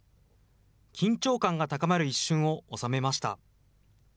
緊張感が高まる一瞬を収めました。